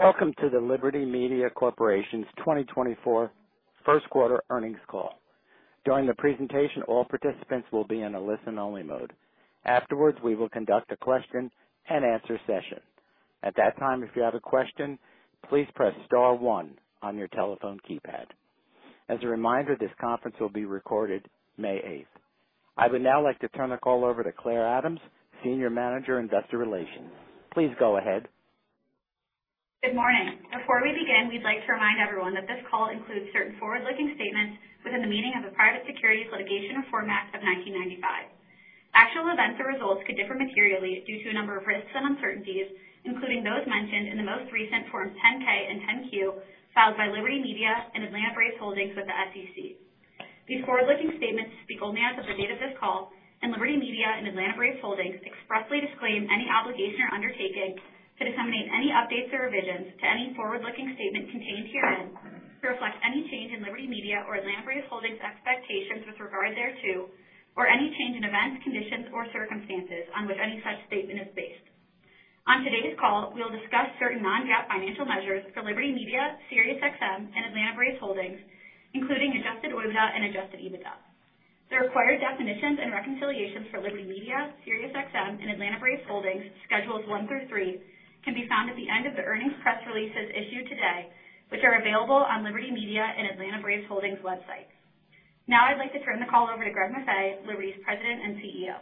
Welcome to the Liberty Media Corporation's 2024 first quarter earnings call. During the presentation, all participants will be in a listen-only mode. Afterwards, we will conduct a question-and-answer session. At that time, if you have a question, please press star one on your telephone keypad. As a reminder, this conference will be recorded May 8th. I would now like to turn the call over to Claire Adams, Senior Manager, Investor Relations. Please go ahead. Good morning. Before we begin, we'd like to remind everyone that this call includes certain forward-looking statements within the meaning of the Private Securities Litigation Reform Act of 1995. Actual events and results could differ materially due to a number of risks and uncertainties, including those mentioned in the most recent Forms 10-K and 10-Q filed by Liberty Media and Atlanta Braves Holdings with the SEC. These forward-looking statements speak only as of the date of this call, and Liberty Media and Atlanta Braves Holdings expressly disclaim any obligation or undertaking to disseminate any updates or revisions to any forward-looking statement contained herein to reflect any change in Liberty Media or Atlanta Braves Holdings' expectations with regard thereto, or any change in events, conditions, or circumstances on which any such statement is based. On today's call, we will discuss certain non-GAAP financial measures for Liberty Media, SiriusXM, and Atlanta Braves Holdings, including Adjusted OIBDA and Adjusted EBITDA. The required definitions and reconciliations for Liberty Media, SiriusXM, and Atlanta Braves Holdings, Schedules one through three, can be found at the end of the earnings press releases issued today, which are available on Liberty Media and Atlanta Braves Holdings' website. Now I'd like to turn the call over to Greg Maffei, Liberty's President and CEO.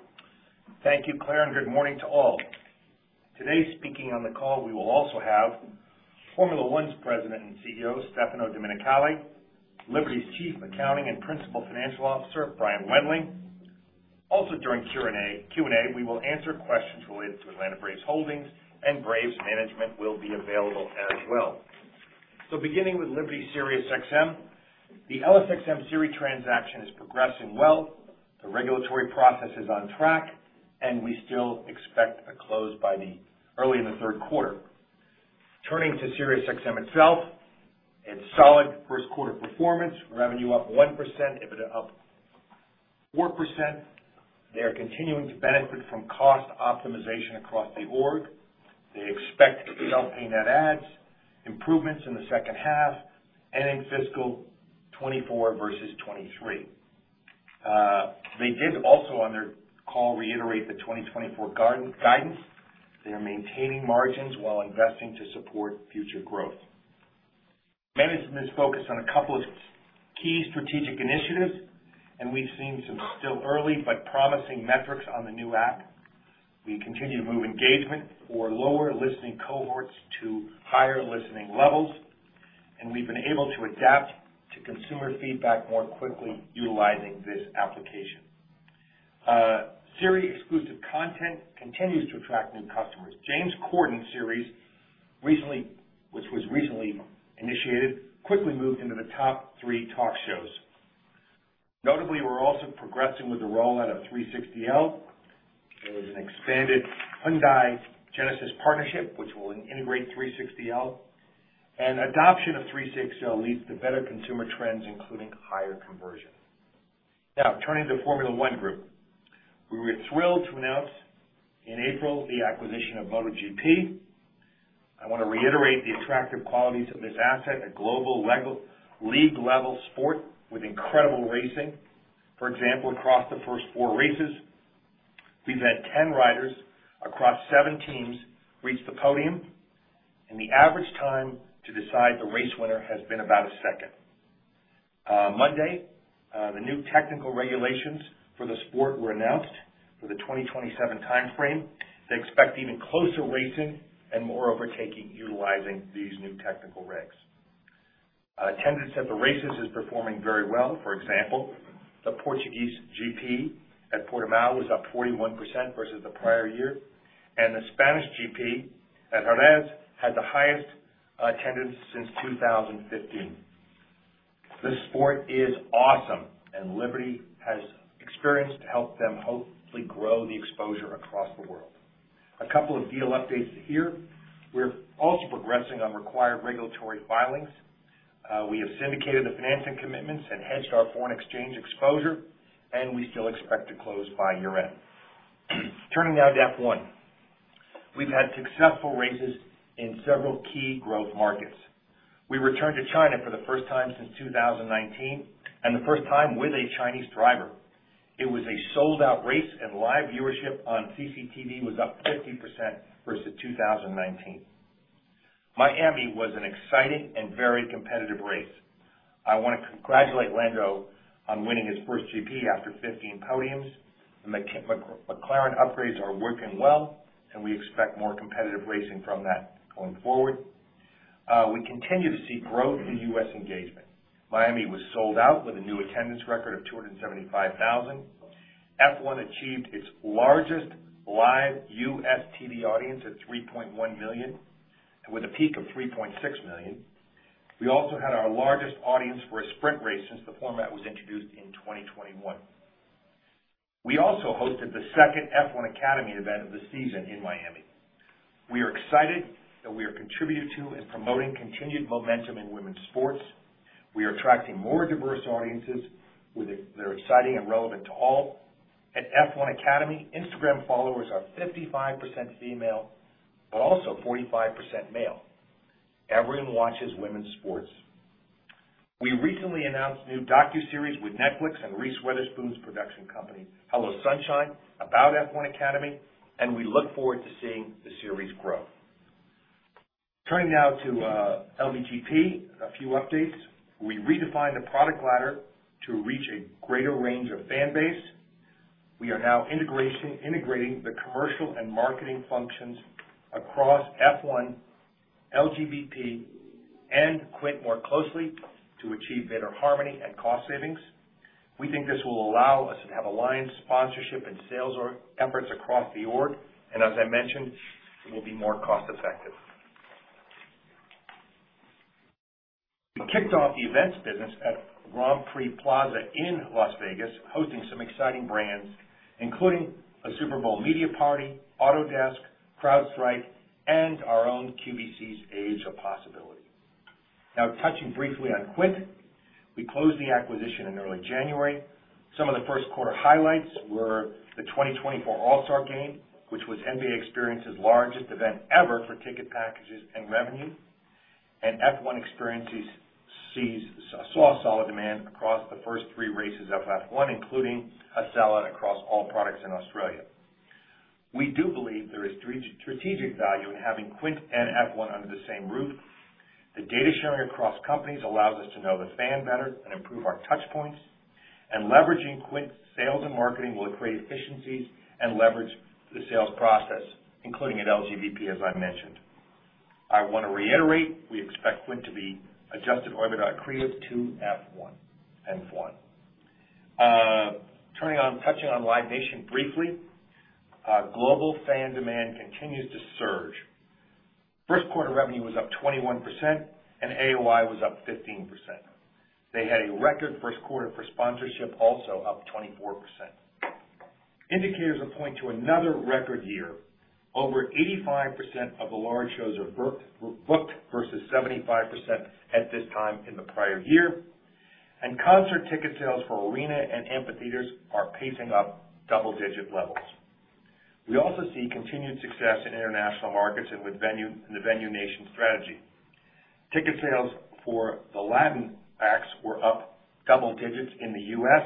Thank you, Claire, and good morning to all. Today, speaking on the call, we will also have Formula One's President and CEO, Stefano Domenicali, Liberty's Chief Accounting and Principal Financial Officer, Brian Wendling. Also, during Q&A, we will answer questions related to Atlanta Braves Holdings, and Braves Management will be available as well. So beginning with Liberty SiriusXM, the LSXM-SiriusXM transaction is progressing well. The regulatory process is on track, and we still expect a close early in the third quarter. Turning to SiriusXM itself, it's solid first quarter performance, revenue up 1%, EBITDA up 4%. They are continuing to benefit from cost optimization across the org. They expect self-pay net adds, improvements in the second half, ending fiscal 2024 versus 2023. They did also, on their call, reiterate the 2024 guidance. They are maintaining margins while investing to support future growth. Management is focused on a couple of key strategic initiatives, and we've seen some still early but promising metrics on the new app. We continue to move engagement or lower listening cohorts to higher listening levels, and we've been able to adapt to consumer feedback more quickly utilizing this application. Sirius exclusive content continues to attract new customers. James Corden series, which was recently initiated, quickly moved into the top three talk shows. Notably, we're also progressing with the rollout of 360L. There was an expanded Hyundai-Genesis partnership, which will integrate 360L. And adoption of 360L leads to better consumer trends, including higher conversion. Now, turning to Formula One Group, we were thrilled to announce in April the acquisition of MotoGP. I want to reiterate the attractive qualities of this asset, a global league-level sport with incredible racing. For example, across the first four races, we've had 10 riders across seven teams reach the podium, and the average time to decide the race winner has been about a second. Monday, the new technical regulations for the sport were announced for the 2027 time frame. They expect even closer racing and more overtaking utilizing these new technical regs. Attendance at the races is performing very well. For example, the Portuguese GP at Portimão was up 41% versus the prior year, and the Spanish GP at Jerez had the highest attendance since 2015. This sport is awesome, and Liberty has experience to help them hopefully grow the exposure across the world. A couple of deal updates here. We're also progressing on required regulatory filings. We have syndicated the financing commitments and hedged our foreign exchange exposure, and we still expect to close by year-end. Turning now to F1, we've had successful races in several key growth markets. We returned to China for the first time since 2019, and the first time with a Chinese driver. It was a sold-out race, and live viewership on CCTV was up 50% versus 2019. Miami was an exciting and very competitive race. I want to congratulate Lando on winning his first GP after 15 podiums. The McLaren upgrades are working well, and we expect more competitive racing from that going forward. We continue to see growth in US engagement. Miami was sold out with a new attendance record of 275,000. F1 achieved its largest live US TV audience at 3.1 million, with a peak of 3.6 million. We also had our largest audience for a sprint race since the format was introduced in 2021. We also hosted the second F1 Academy event of the season in Miami. We are excited that we are contributing to and promoting continued momentum in women's sports. We are attracting more diverse audiences, which are exciting and relevant to all. At F1 Academy, Instagram followers are 55% female but also 45% male. Everyone watches women's sports. We recently announced new docuseries with Netflix and Reese Witherspoon's production company, Hello Sunshine, about F1 Academy, and we look forward to seeing the series grow. Turning now to LVGP, a few updates. We redefined the product ladder to reach a greater range of fanbase. We are now integrating the commercial and marketing functions across F1, LVGP, and Quint more closely to achieve better harmony and cost savings. We think this will allow us to have aligned sponsorship and sales efforts across the org, and as I mentioned, it will be more cost-effective. We kicked off the events business at Grand Prix Plaza in Las Vegas, hosting some exciting brands, including a Super Bowl media party, Autodesk, CrowdStrike, and our own QVC's Age of Possibility. Now, touching briefly on Quint, we closed the acquisition in early January. Some of the first quarter highlights were the 2024 All-Star Game, which was NBA Experiences' largest event ever for ticket packages and revenue, and F1 Experience saw solid demand across the first three races of F1, including a sell-out across all products in Australia. We do believe there is strategic value in having Quint and F1 under the same roof. The data sharing across companies allows us to know the fan better and improve our touchpoints, and leveraging Quint's sales and marketing will create efficiencies and leverage the sales process, including at LVGP, as I mentioned. I want to reiterate, we expect Quint to be Adjusted OIBDA accretive to F1. Turning to, touching on Live Nation briefly, global fan demand continues to surge. First quarter revenue was up 21%, and AOI was up 15%. They had a record first quarter for sponsorship, also up 24%. Indicators point to another record year: over 85% of the large shows are booked versus 75% at this time in the prior year, and concert ticket sales for arena and amphitheaters are pacing up double-digit levels. We also see continued success in international markets and within the Venue Nation strategy. Ticket sales for the Latin acts were up double digits in the US,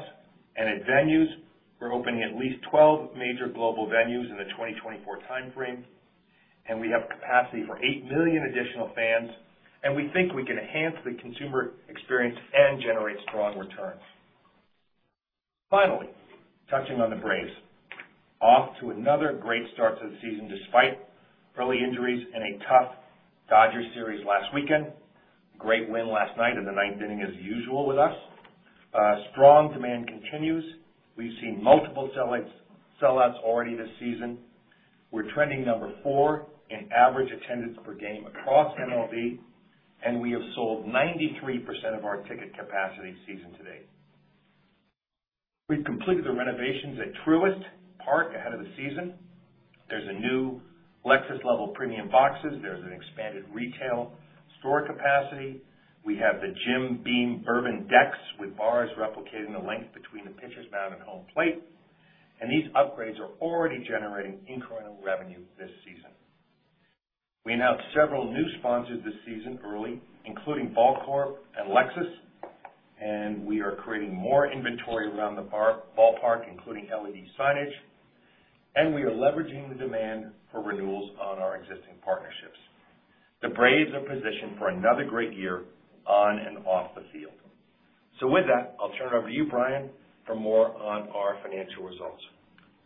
and at venues, we're opening at least 12 major global venues in the 2024 time frame, and we have capacity for 8 million additional fans, and we think we can enhance the consumer experience and generate strong returns. Finally, touching on the Braves, off to another great start to the season despite early injuries in a tough Dodgers series last weekend. Great win last night in the ninth inning, as usual with us. Strong demand continues. We've seen multiple sellouts already this season. We're trending number four in average attendance per game across MLB, and we have sold 93% of our ticket capacity season to date. We've completed the renovations at Truist Park ahead of the season. There's a new Lexus Level premium boxes. There's an expanded retail store capacity. We have the Jim Beam Bourbon Decks with bars replicating the length between the pitcher's mound and home plate, and these upgrades are already generating incremental revenue this season. We announced several new sponsors this season early, including Ball Corp and Lexus, and we are creating more inventory around the ballpark, including LED signage, and we are leveraging the demand for renewals on our existing partnerships. The Braves are positioned for another great year on and off the field. So with that, I'll turn it over to you, Brian, for more on our financial results.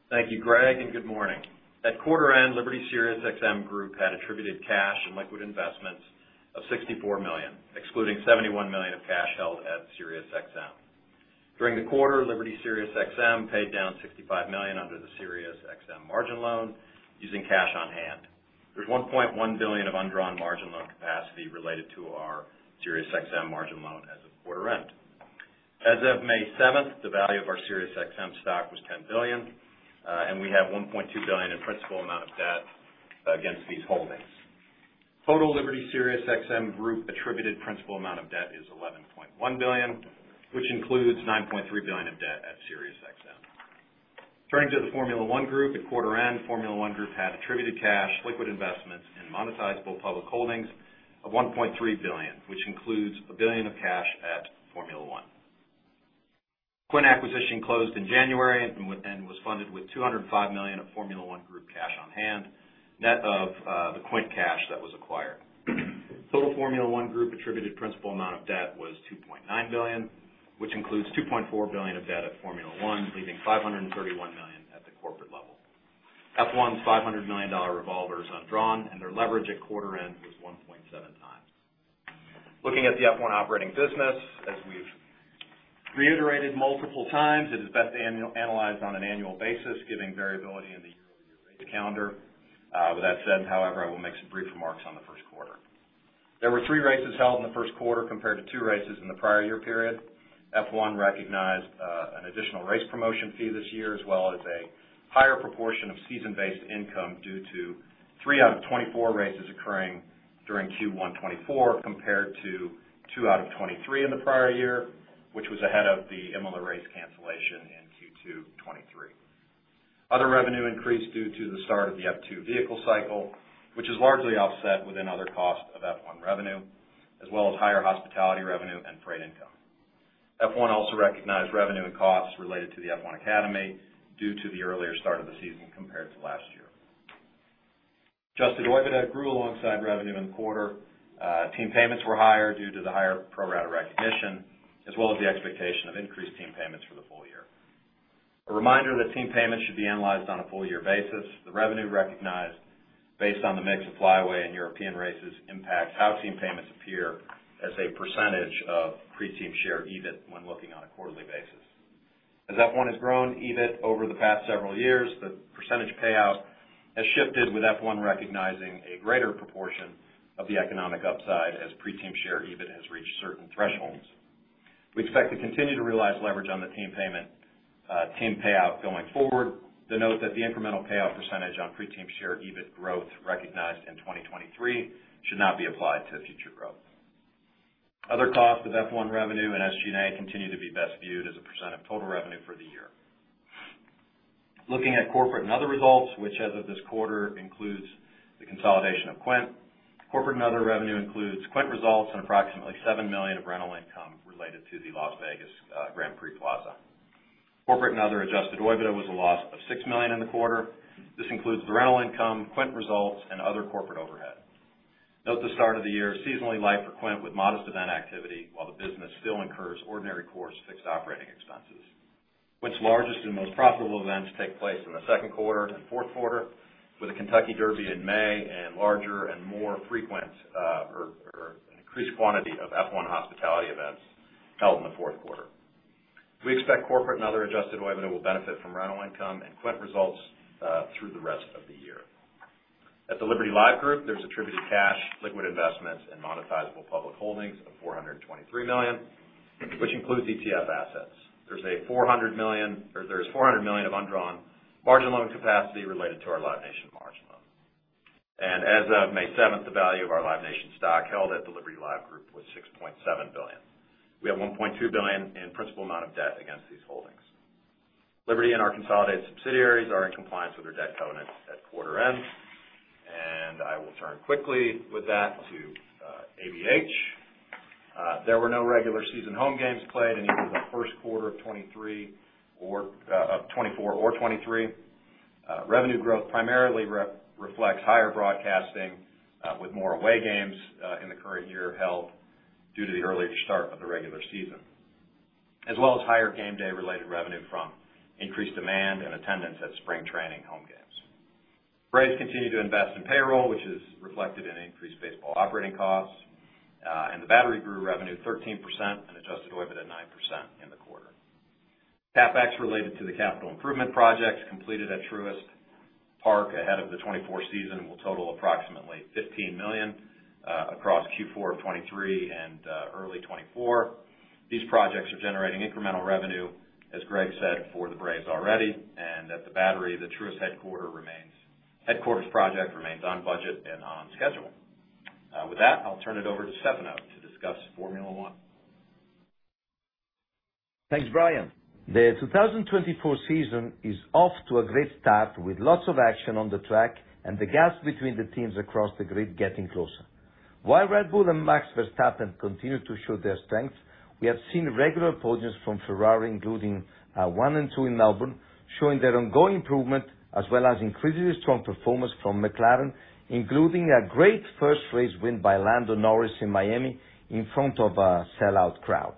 Thank you, Greg, and good morning. At quarter-end, Liberty SiriusXM Group had attributed cash and liquid investments of $64 million, excluding $71 million of cash held at SiriusXM. During the quarter, Liberty SiriusXM paid down $65 million under the SiriusXM margin loan using cash on hand. There's $1.1 billion of undrawn margin loan capacity related to our SiriusXM margin loan as of quarter-end. As of May 7th, the value of our SiriusXM stock was $10 billion, and we have $1.2 billion in principal amount of debt against these holdings. Total Liberty SiriusXM Group attributed principal amount of debt is $11.1 billion, which includes $9.3 billion of debt at SiriusXM. Turning to the Formula One Group, at quarter-end, Formula One Group had attributed cash, liquid investments, and monetizable public holdings of $1.3 billion, which includes $1 billion of cash at Formula One. Quint acquisition closed in January and was funded with $205 million of Formula One Group cash on hand, net of the Quint cash that was acquired. Total Formula One Group attributed principal amount of debt was $2.9 billion, which includes $2.4 billion of debt at Formula One, leaving $531 million at the corporate level. F1's $500 million revolver is undrawn, and their leverage at quarter-end was 1.7x. Looking at the F1 operating business, as we've reiterated multiple times, it is best analyzed on an annual basis, given variability in the year-over-year race calendar. With that said, however, I will make some brief remarks on the first quarter. There were three races held in the first quarter compared to two races in the prior year period. F1 recognized an additional race promotion fee this year, as well as a higher proportion of season-based income due to three out of 24 races occurring during Q1 2024 compared to two out of 23 in the prior year, which was ahead of the Imola race cancellation in Q2 2023. Other revenue increased due to the start of the F2 vehicle cycle, which is largely offset within other costs of F1 revenue, as well as higher hospitality revenue and freight income. F1 also recognized revenue and costs related to the F1 Academy due to the earlier start of the season compared to last year. Adjusted OIBDA grew alongside revenue in the quarter. Team payments were higher due to the higher pro rata recognition, as well as the expectation of increased team payments for the full year. A reminder that team payments should be analyzed on a full-year basis. The revenue recognized based on the mix of flyaway and European races impacts how team payments appear as a percentage of Pre-Team Share EBIT when looking on a quarterly basis. As F1 has grown EBIT over the past several years, the percentage payout has shifted, with F1 recognizing a greater proportion of the economic upside as Pre-Team Share EBIT has reached certain thresholds. We expect to continue to realize leverage on the team payout going forward. To note that the incremental payout percentage on Pre-Team Share EBIT growth recognized in 2023 should not be applied to future growth. Other costs of F1 revenue and SG&A continue to be best viewed as a percent of total revenue for the year. Looking at corporate and other results, which as of this quarter includes the consolidation of Quint. Corporate and other revenue includes Quint results and approximately $7 million of rental income related to the Las Vegas Grand Prix Plaza. Corporate and other Adjusted OIBDA was a loss of $6 million in the quarter. This includes the rental income, Quint results, and other corporate overhead. Note the start of the year seasonally light for Quint with modest event activity, while the business still incurs ordinary course fixed operating expenses. Quint's largest and most profitable events take place in the second quarter and fourth quarter, with a Kentucky Derby in May and larger and more frequent or an increased quantity of F1 hospitality events held in the fourth quarter. We expect corporate and other Adjusted OIBDA will benefit from rental income and Quint results through the rest of the year. At the Liberty Live Group, there's attributed cash, liquid investments, and monetizable public holdings of $423 million, which includes ETF assets. There's $400 million or there's $400 million of undrawn margin loan capacity related to our Live Nation margin loan. And as of May 7th, the value of our Live Nation stock held at the Liberty Live Group was $6.7 billion. We have $1.2 billion in principal amount of debt against these holdings. Liberty and our consolidated subsidiaries are in compliance with their debt covenants at quarter-end, and I will turn quickly with that to ABH. There were no regular season home games played, and neither the first quarter of 2023 or of 2024 or 2023. Revenue growth primarily reflects higher broadcasting with more away games in the current year held due to the earlier start of the regular season, as well as higher game day-related revenue from increased demand and attendance at spring training home games. Braves continue to invest in payroll, which is reflected in increased baseball operating costs, and The Battery grew revenue 13% and Adjusted OIBDA 9% in the quarter. CapEx related to the capital improvement projects completed at Truist Park ahead of the 2024 season will total approximately $15 million across Q4 of 2023 and early 2024. These projects are generating incremental revenue, as Greg said, for the Braves already, and at The Battery, the Truist headquarters project remains on budget and on schedule. With that, I'll turn it over to Stefano to discuss Formula One. Thanks, Brian. The 2024 season is off to a great start with lots of action on the track and the gaps between the teams across the grid getting closer. While Red Bull and Max Verstappen continue to show their strengths, we have seen regular podiums from Ferrari, including one and two in Melbourne, showing their ongoing improvement as well as increasingly strong performance from McLaren, including a great first race win by Lando Norris in Miami in front of a sellout crowd.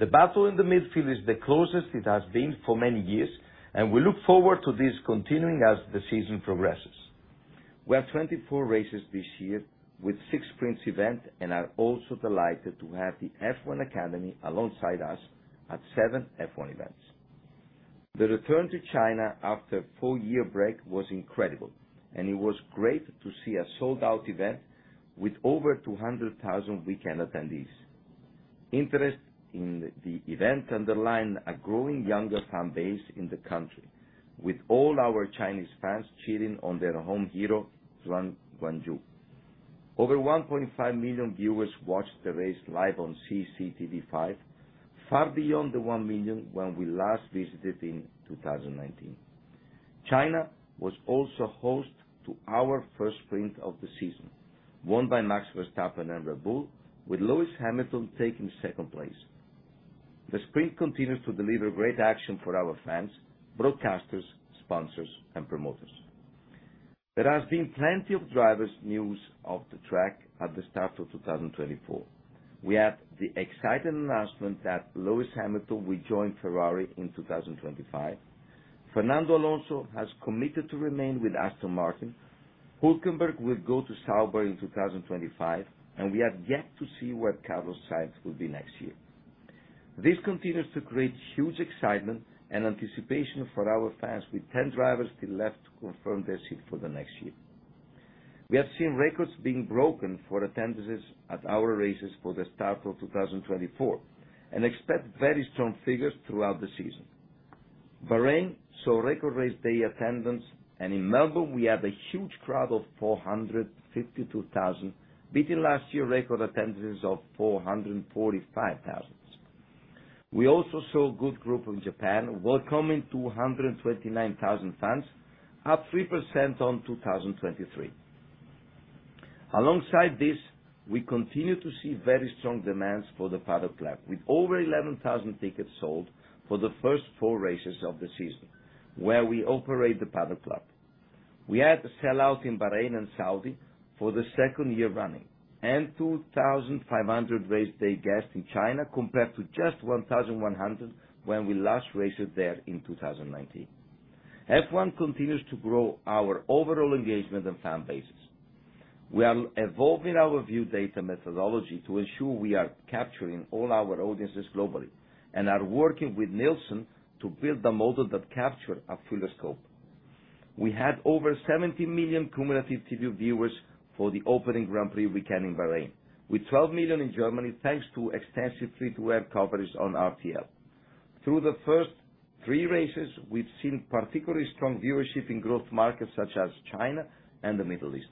The battle in the midfield is the closest it has been for many years, and we look forward to this continuing as the season progresses. We have 24 races this year with six Sprints events and are also delighted to have the F1 Academy alongside us at seven F1 events. The return to China after a four-year break was incredible, and it was great to see a sold-out event with over 200,000 weekend attendees. Interest in the event underlined a growing younger fan base in the country, with all our Chinese fans cheering on their home hero, Zhou Guanyu. Over 1.5 million viewers watched the race live on CCTV5, far beyond the 1 million when we last visited in 2019. China was also host to our first Sprint of the season, won by Max Verstappen and Red Bull, with Lewis Hamilton taking second place. The Sprint continues to deliver great action for our fans, broadcasters, sponsors, and promoters. There has been plenty of drivers' news off the track at the start of 2024. We have the exciting announcement that Lewis Hamilton will join Ferrari in 2025. Fernando Alonso has committed to remain with Aston Martin. Hülkenberg will go to Sauber in 2025, and we have yet to see where Carlos Sainz will be next year. This continues to create huge excitement and anticipation for our fans, with 10 drivers still left to confirm their seat for the next year. We have seen records being broken for attendances at our races for the start of 2024 and expect very strong figures throughout the season. Bahrain saw record race day attendance, and in Melbourne, we had a huge crowd of 452,000, beating last year's record attendances of 445,000. We also saw a good group in Japan welcoming 229,000 fans, up 3% on 2023. Alongside this, we continue to see very strong demands for the Paddock Club, with over 11,000 tickets sold for the first four races of the season where we operate the Paddock Club. We had a sellout in Bahrain and Saudi for the second year running and 2,500 race day guests in China compared to just 1,100 when we last raced there in 2019. F1 continues to grow our overall engagement and fan bases. We are evolving our view data methodology to ensure we are capturing all our audiences globally and are working with Nielsen to build a model that captures a fuller scope. We had over 70 million cumulative TV viewers for the opening Grand Prix weekend in Bahrain, with 12 million in Germany thanks to extensive free-to-air coverage on RTL. Through the first three races, we've seen particularly strong viewership in growth markets such as China and the Middle East.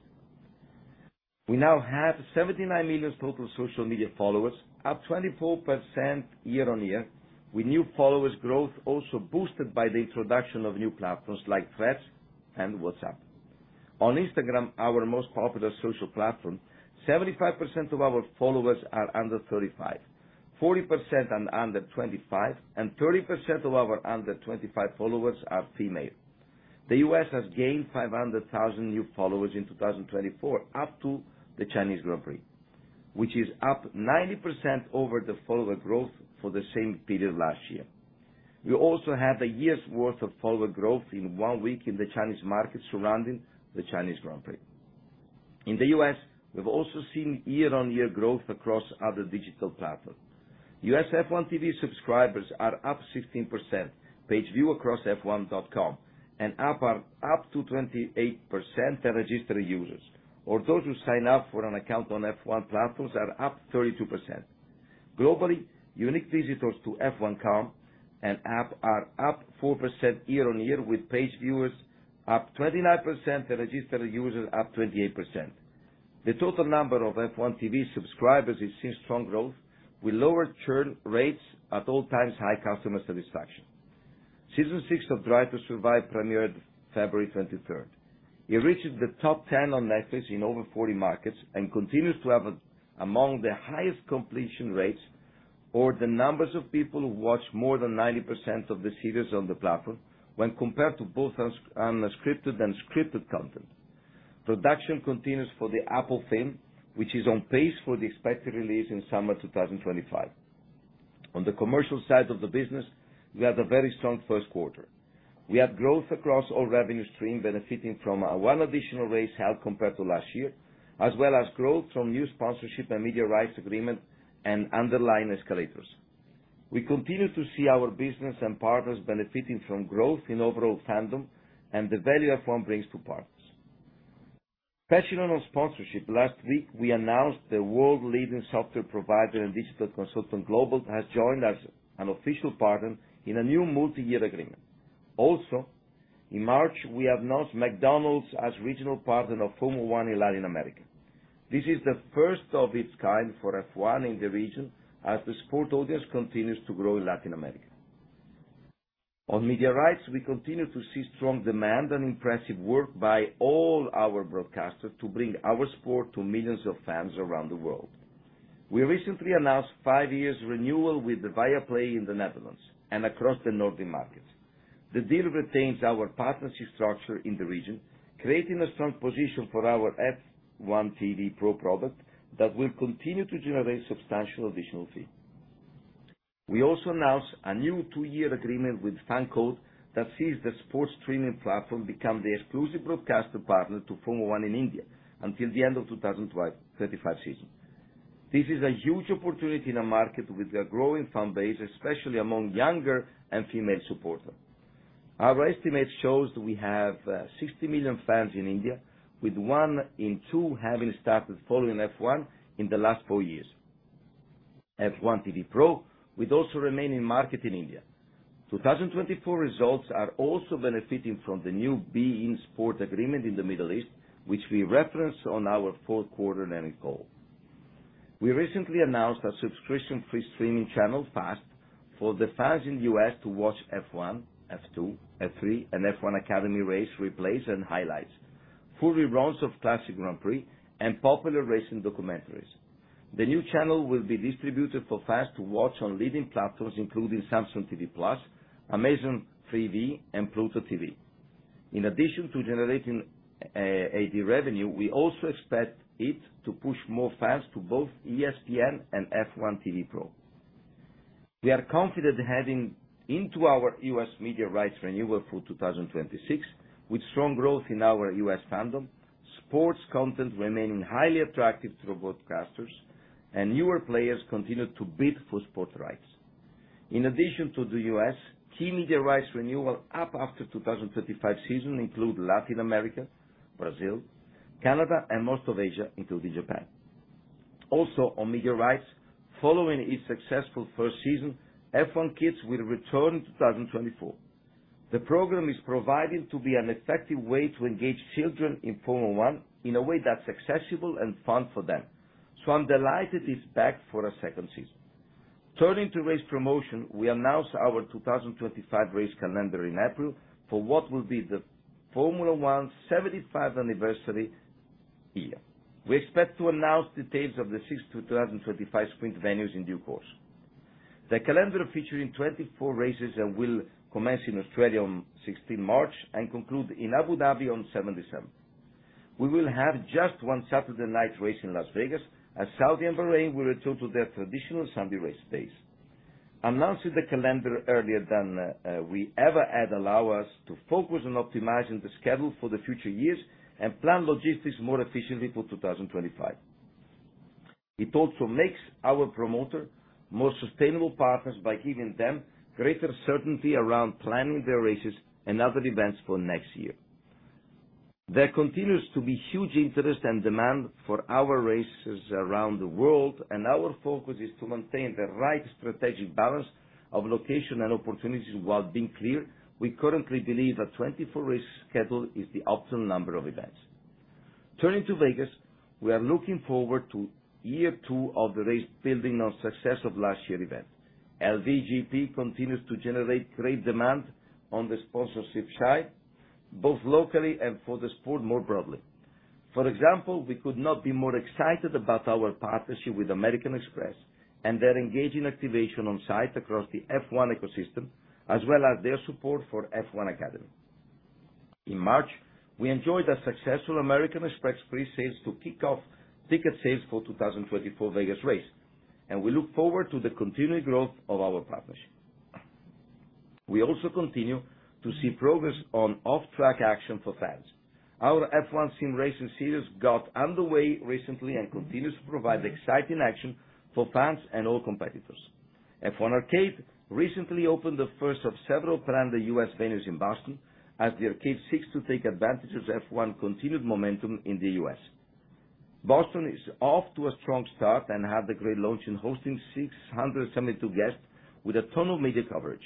We now have 79 million total social media followers, up 24% year-on-year, with new followers growth also boosted by the introduction of new platforms like Threads and WhatsApp. On Instagram, our most popular social platform, 75% of our followers are under 35, 40% are under 25, and 30% of our under 25 followers are female. The US has gained 500,000 new followers in 2024, up to the Chinese Grand Prix, which is up 90% over the follower growth for the same period last year. We also have a year's worth of follower growth in one week in the Chinese market surrounding the Chinese Grand Prix. In the US, we've also seen year-over-year growth across other digital platforms. US F1 TV subscribers are up 16% page view across f1.com, and up to 28% the registered users, or those who sign up for an account on F1 platforms, are up 32%. Globally, unique visitors to f1.com and app are up 4% year-over-year, with page viewers up 29%, the registered users up 28%. The total number of F1 TV subscribers is seeing strong growth, with lower churn rates at all times, high customer satisfaction. Season 6 of Drive to Survive premiered February 23rd. It reached the top 10 on Netflix in over 40 markets and continues to have among the highest completion rates, or the numbers of people who watch more than 90% of the series on the platform when compared to both unscripted and scripted content. Production continues for the Apple film, which is on pace for the expected release in summer 2025. On the commercial side of the business, we had a very strong first quarter. We had growth across all revenue streams, benefiting from one additional race held compared to last year, as well as growth from new sponsorship and media rights agreement and underlying escalators. We continue to see our business and partners benefiting from growth in overall fandom and the value F1 brings to partners. Passionate on sponsorship, last week, we announced the world-leading software provider and digital consultant Globant has joined as an official partner in a new multi-year agreement. Also, in March, we announced McDonald's as regional partner of Formula One in Latin America. This is the first of its kind for F1 in the region as the sport audience continues to grow in Latin America. On media rights, we continue to see strong demand and impressive work by all our broadcasters to bring our sport to millions of fans around the world. We recently announced five years' renewal with the Viaplay in the Netherlands and across the Nordic markets. The deal retains our partnership structure in the region, creating a strong position for our F1 TV Pro product that will continue to generate substantial additional fee. We also announced a new two-year agreement with FanCode that sees the sports streaming platform become the exclusive broadcaster partner to Formula One in India until the end of the 2025 season. This is a huge opportunity in a market with a growing fan base, especially among younger and female supporters. Our estimates show that we have 60 million fans in India, with one in two having started following F1 in the last four years. F1 TV Pro would also remain in market in India. 2024 results are also benefiting from the new beIN SPORTS agreement in the Middle East, which we referenced on our fourth quarter-end call. We recently announced a subscription-free streaming channel, FAST, for the fans in the US to watch F1, F2, F3, and F1 Academy race replays and highlights, full reruns of Classic Grand Prix, and popular racing documentaries. The new channel will be distributed for FAST to watch on leading platforms, including Samsung TV Plus, Amazon Freevee, and Pluto TV. In addition to generating ad revenue, we also expect it to push more fans to both ESPN and F1 TV Pro. We are confident heading into our US media rights renewal for 2026 with strong growth in our US fandom, sports content remaining highly attractive to broadcasters, and newer players continue to bid for sport rights. In addition to the US, key media rights renewal up after the 2025 season include Latin America, Brazil, Canada, and most of Asia, including Japan. Also, on media rights, following its successful first season, F1 Kids will return in 2024. The program is provided to be an effective way to engage children in Formula One in a way that's accessible and fun for them. So I'm delighted it's back for a second season. Turning to race promotion, we announced our 2025 race calendar in April for what will be the Formula One 75th anniversary year. We expect to announce details of the six 2025 Sprint venues in due course. The calendar featuring 24 races will commence in Australia on 16 March and conclude in Abu Dhabi on 7 December. We will have just one Saturday night race in Las Vegas, as Saudi and Bahrain will return to their traditional Sunday race days. Announcing the calendar earlier than we ever had allowed us to focus and optimize the schedule for the future years and plan logistics more efficiently for 2025. It also makes our promoter more sustainable partners by giving them greater certainty around planning their races and other events for next year. There continues to be huge interest and demand for our races around the world, and our focus is to maintain the right strategic balance of location and opportunities while being clear. We currently believe a 24-race schedule is the optimal number of events. Turning to Vegas, we are looking forward to year two of the race building on success of last year's event. LVGP continues to generate great demand on the sponsorship side, both locally and for the sport more broadly. For example, we could not be more excited about our partnership with American Express and their engaging activation on site across the F1 ecosystem, as well as their support for F1 Academy. In March, we enjoyed a successful American Express presales to kick off ticket sales for the 2024 Vegas race, and we look forward to the continued growth of our partnership. We also continue to see progress on off-track action for fans. Our F1 sim racing series got underway recently and continues to provide exciting action for fans and all competitors. F1 Arcade recently opened the first of several planned US venues in Boston as the arcade seeks to take advantage of F1's continued momentum in the US. Boston is off to a strong start and had the great launch in hosting 672 guests with a ton of media coverage.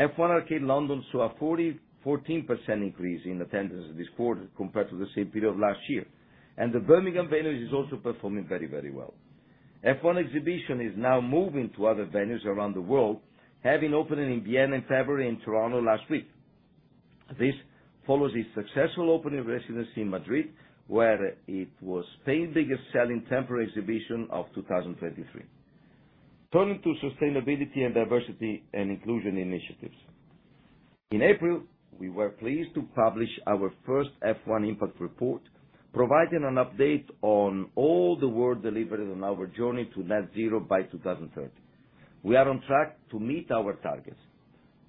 F1 Arcade London saw a 40%-14% increase in attendance this quarter compared to the same period of last year, and the Birmingham venue is also performing very, very well. F1 Exhibition is now moving to other venues around the world, having opened in Vienna in February and Toronto last week. This follows its successful opening residency in Madrid, where it was Spain's biggest-selling temporary exhibition of 2023. Turning to sustainability and diversity and inclusion initiatives. In April, we were pleased to publish our first F1 Impact Report, providing an update on all the work delivered on our journey to net zero by 2030. We are on track to meet our targets.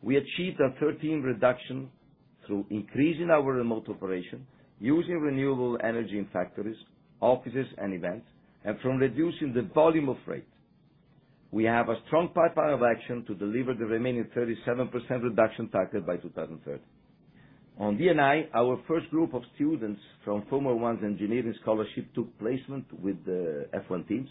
We achieved a 13% reduction through increasing our remote operation, using renewable energy in factories, offices, and events, and from reducing the volume of freight. We have a strong pipeline of action to deliver the remaining 37% reduction target by 2030. On DNI, our first group of students from Formula One's engineering scholarship took placement with the F1 teams,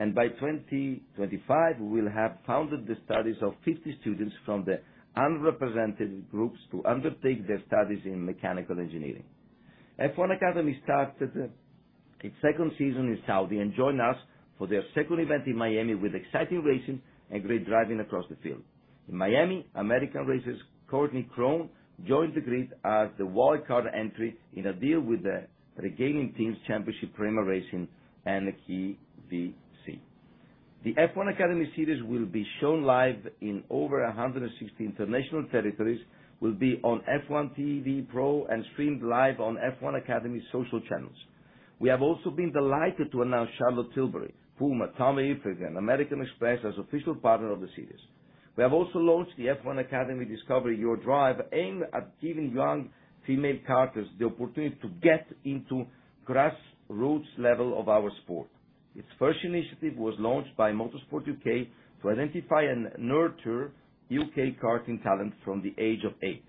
and by 2025, we will have funded the studies of 50 students from the unrepresented groups to undertake their studies in mechanical engineering. F1 Academy started its second season in Saudi and joined us for their second event in Miami with exciting racing and great driving across the field. In Miami, American racer Courtney Crone joined the grid as the wildcard entry in a deal with the reigning team's championship, PREMA Racing, and the QVC. The F1 Academy series will be shown live in over 160 international territories, will be on F1 TV Pro, and streamed live on F1 Academy social channels. We have also been delighted to announce Charlotte Tilbury, PUMA, Tommy Hilfiger, American Express as official partners of the series. We have also launched the F1 Academy Discover Your Drive, aimed at giving young female karters the opportunity to get into grassroots level of our sport. Its first initiative was launched by Motorsport UK to identify and nurture UK karting talent from the age of eight.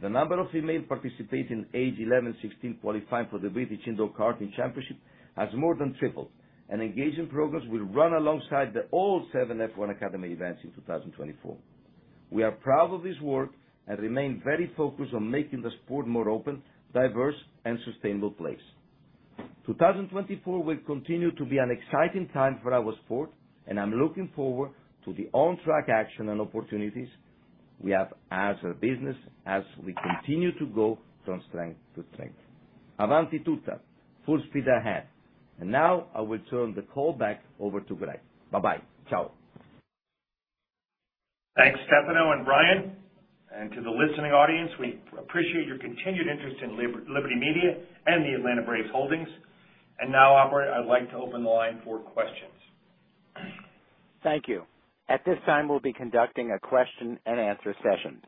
The number of females participating ages 11-16 qualifying for the British Indoor Karting Championship has more than tripled, and engagement programs will run alongside all seven F1 Academy events in 2024. We are proud of this work and remain very focused on making the sport more open, diverse, and sustainable place. 2024 will continue to be an exciting time for our sport, and I'm looking forward to the on-track action and opportunities we have as a business as we continue to go from strength to strength. Avanti tutta, full speed ahead. And now I will turn the call back over to Greg. Bye-bye. Ciao. Thanks, Stefano and Brian. To the listening audience, we appreciate your continued interest in Liberty Media and the Atlanta Braves Holdings. Now, Operator, I'd like to open the line for questions. Thank you. At this time, we'll be conducting a question-and-answer session.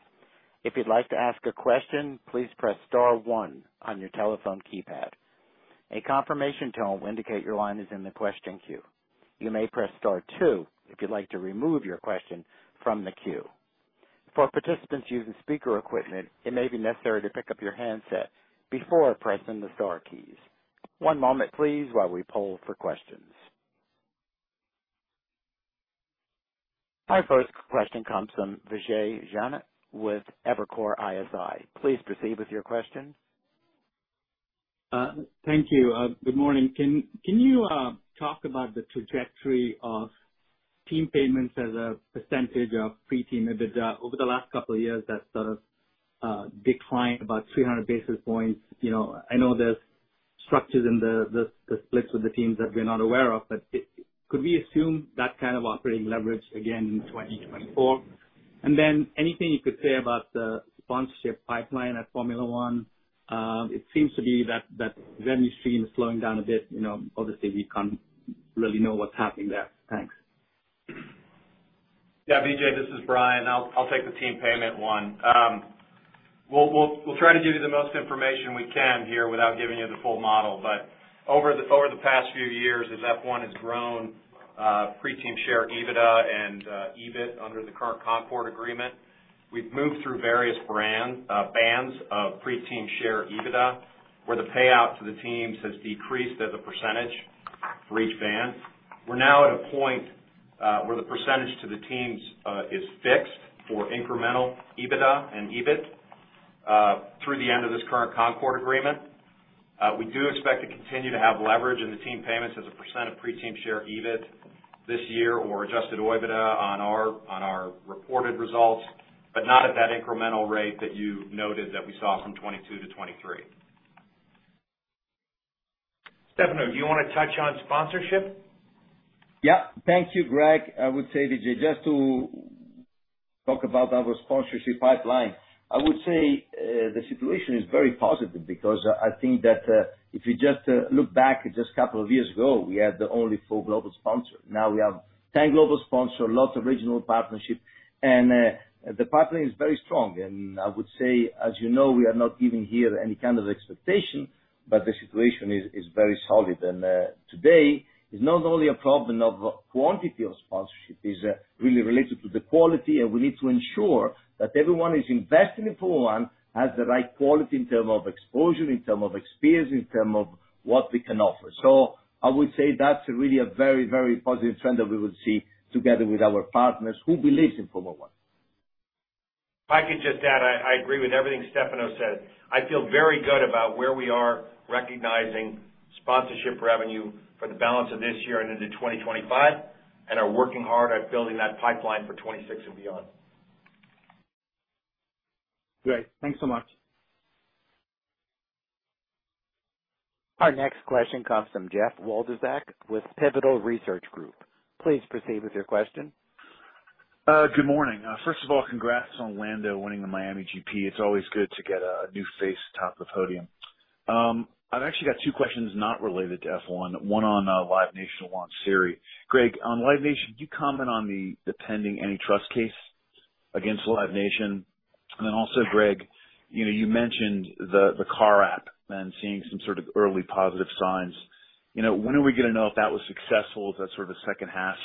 If you'd like to ask a question, please press star one on your telephone keypad. A confirmation tone will indicate your line is in the question queue. You may press star two if you'd like to remove your question from the queue. For participants using speaker equipment, it may be necessary to pick up your handset before pressing the star keys. One moment, please, while we poll for questions. Our first question comes from Vijay Jayant with Evercore ISI. Please proceed with your question. Thank you. Good morning. Can you talk about the trajectory of team payments as a percentage of pre-team? I mean, over the last couple of years, that's sort of declined about 300 basis points. I know there's structures in the splits with the teams that we're not aware of, but could we assume that kind of operating leverage again in 2024? And then anything you could say about the sponsorship pipeline at Formula One? It seems to be that revenue stream is slowing down a bit. Obviously, we can't really know what's happening there. Thanks. Yeah, Vijay, this is Brian. I'll take the team payment one. We'll try to give you the most information we can here without giving you the full model. But over the past few years, as F1 has grown Pre-Team Share EBITDA and EBIT under the current Concorde Agreement, we've moved through various bands of Pre-Team Share EBITDA where the payout to the teams has decreased as a percentage for each band. We're now at a point where the percentage to the teams is fixed for incremental EBITDA and EBIT through the end of this current Concorde Agreement. We do expect to continue to have leverage in the team payments as a percent of Pre-Team Share EBIT this year or Adjusted OIBDA on our reported results, but not at that incremental rate that you noted that we saw from 2022 to 2023. Stefano, do you want to touch on sponsorship? Yep. Thank you, Greg. I would say, Vijay, just to talk about our sponsorship pipeline, I would say the situation is very positive because I think that if you just look back just a couple of years ago, we had only four global sponsors. Now we have 10 global sponsors, a lot of regional partnerships, and the pipeline is very strong. And I would say, as you know, we are not giving here any kind of expectation, but the situation is very solid. And today, it's not only a problem of quantity of sponsorship. It's really related to the quality, and we need to ensure that everyone who's investing in Formula One has the right quality in terms of exposure, in terms of experience, in terms of what we can offer. I would say that's really a very, very positive trend that we will see together with our partners who believe in Formula One. If I could just add, I agree with everything Stefano said. I feel very good about where we are recognizing sponsorship revenue for the balance of this year and into 2025 and are working hard at building that pipeline for 2026 and beyond. Great. Thanks so much. Our next question comes from Jeff Wlodarczak with Pivotal Research Group. Please proceed with your question. Good morning. First of all, congrats on Lando winning the Miami GP. It's always good to get a new face atop the podium. I've actually got two questions not related to F1, one on Live Nation One Series. Greg, on Live Nation, do you comment on the pending antitrust case against Live Nation? And then also, Greg, you mentioned the car app and seeing some sort of early positive signs. When are we going to know if that was successful? Is that sort of a second-half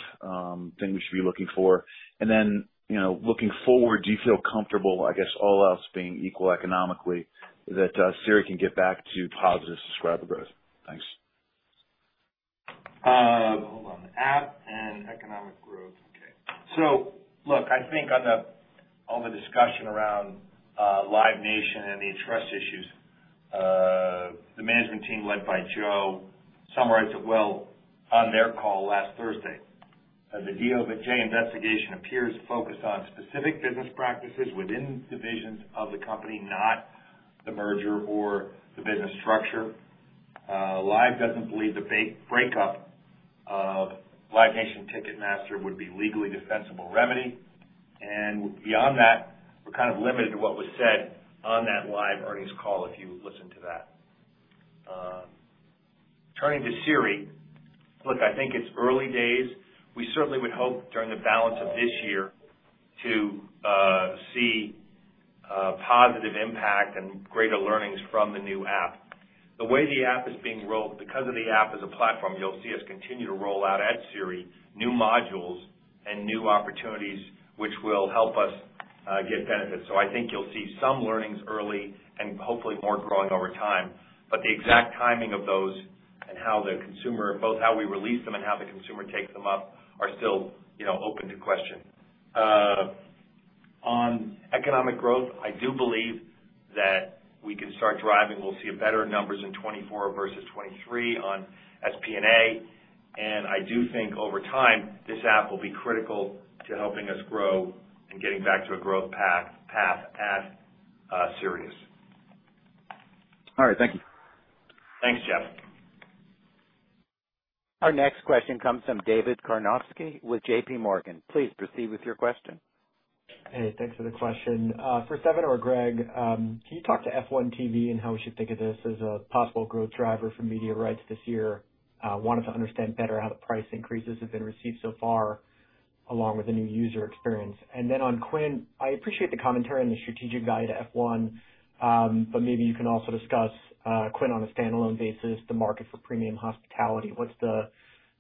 thing we should be looking for? And then looking forward, do you feel comfortable, I guess all else being equal economically, that the series can get back to positive subscriber growth? Thanks. Hold on. App and economic growth. Okay. So look, I think on all the discussion around Live Nation and the antitrust issues, the management team led by Joe summarized it well on their call last Thursday. The DOJ investigation appears focused on specific business practices within divisions of the company, not the merger or the business structure. Live doesn't believe the breakup of Live Nation Ticketmaster would be legally defensible remedy. And beyond that, we're kind of limited to what was said on that Live Earnings call, if you listen to that. Turning to SiriusXM, look, I think it's early days. We certainly would hope during the balance of this year to see positive impact and greater learnings from the new app. The way the app is being rolled because of the app as a platform, you'll see us continue to roll out at Sirius new modules and new opportunities which will help us get benefits. So I think you'll see some learnings early and hopefully more growing over time. But the exact timing of those and how the consumer both how we release them and how the consumer takes them up are still open to question. On economic growth, I do believe that we can start driving. We'll see better numbers in 2024 versus 2023 on SP&A. And I do think over time, this app will be critical to helping us grow and getting back to a growth path at Sirius. All right. Thank you. Thanks, Jeff. Our next question comes from David Karnovsky with J.P. Morgan. Please proceed with your question. Hey, thanks for the question. For Stefano or Greg, can you talk to F1 TV and how we should think of this as a possible growth driver for media rights this year? I wanted to understand better how the price increases have been received so far along with the new user experience. And then on Quint, I appreciate the commentary on the strategic value to F1, but maybe you can also discuss Quint on a standalone basis, the market for premium hospitality. What's the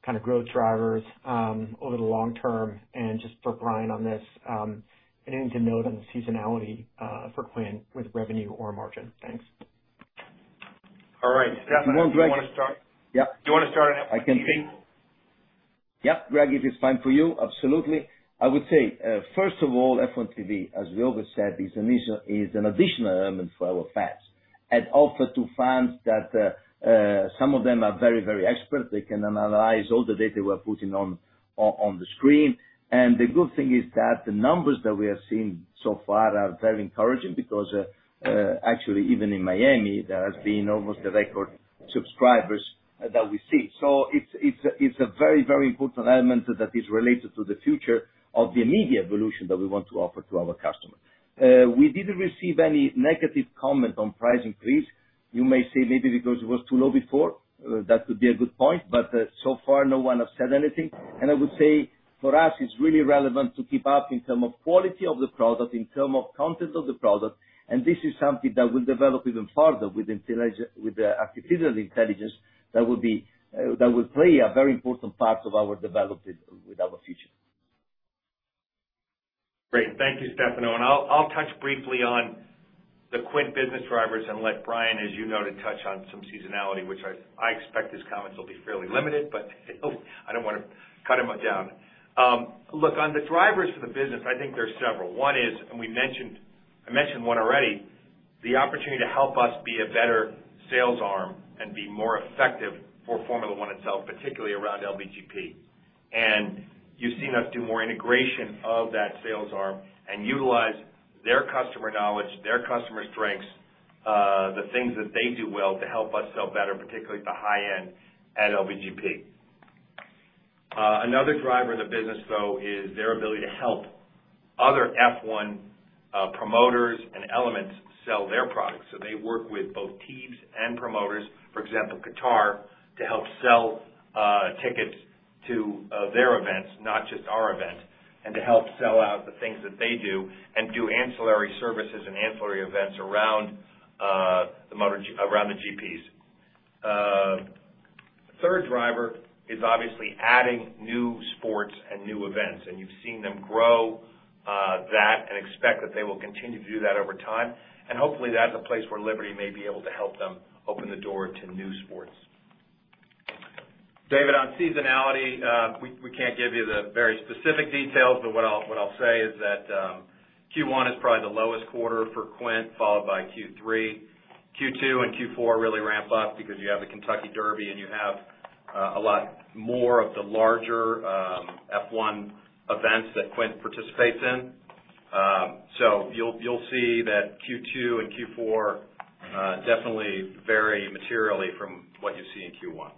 kind of growth drivers over the long term? And just for Brian on this, anything to note on the seasonality for Quint with revenue or margin? Thanks. All right. Stefano, do you want to start? Stefano, do you want to start on F1 TV? I can see. Yep. Greg, if it's fine for you, absolutely. I would say, first of all, F1 TV, as we always said, is an additional element for our fans. It offers to fans that some of them are very, very experts. They can analyze all the data we are putting on the screen. The good thing is that the numbers that we have seen so far are very encouraging because actually, even in Miami, there has been almost the record subscribers that we see. It's a very, very important element that is related to the future of the media evolution that we want to offer to our customers. We didn't receive any negative comment on price increase. You may say maybe because it was too low before. That could be a good point. So far, no one has said anything. I would say for us, it's really relevant to keep up in terms of quality of the product, in terms of content of the product. This is something that will develop even further with artificial intelligence that will play a very important part of our development with our future. Great. Thank you, Stefano. I'll touch briefly on the Quint business drivers and let Brian, as you noted, touch on some seasonality, which I expect his comments will be fairly limited, but I don't want to cut him down. Look, on the drivers for the business, I think there's several. One is, and I mentioned one already, the opportunity to help us be a better sales arm and be more effective for Formula One itself, particularly around LVGP. You've seen us do more integration of that sales arm and utilize their customer knowledge, their customer strengths, the things that they do well to help us sell better, particularly at the high end at LVGP. Another driver of the business, though, is their ability to help other F1 promoters and elements sell their products. They work with both teams and promoters, for example, Qatar, to help sell tickets to their events, not just our event, and to help sell out the things that they do and do ancillary services and ancillary events around the GPs. The third driver is obviously adding new sports and new events. You've seen them grow that and expect that they will continue to do that over time. Hopefully, that's a place where Liberty may be able to help them open the door to new sports. David, on seasonality, we can't give you the very specific details, but what I'll say is that Q1 is probably the lowest quarter for Quint, followed by Q3. Q2 and Q4 really ramp up because you have the Kentucky Derby, and you have a lot more of the larger F1 events that Quint participates in. You'll see that Q2 and Q4 definitely vary materially from what you see in Q1.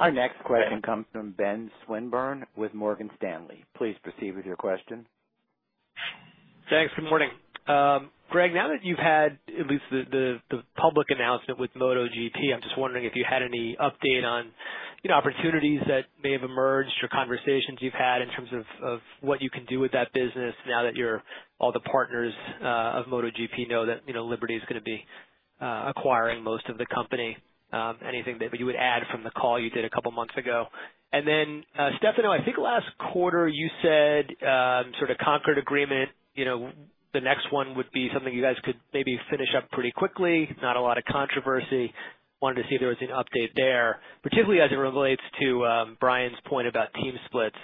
Our next question comes from Ben Swinburne with Morgan Stanley. Please proceed with your question. Thanks. Good morning. Greg, now that you've had at least the public announcement with MotoGP, I'm just wondering if you had any update on opportunities that may have emerged or conversations you've had in terms of what you can do with that business now that all the partners of MotoGP know that Liberty is going to be acquiring most of the company. Anything that you would add from the call you did a couple of months ago? And then, Stefano, I think last quarter, you said sort of Concorde Agreement. The next one would be something you guys could maybe finish up pretty quickly, not a lot of controversy. Wanted to see if there was an update there, particularly as it relates to Brian's point about team splits